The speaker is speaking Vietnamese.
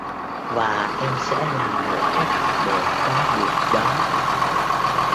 Và em sẽ làm mọi cách để có được đó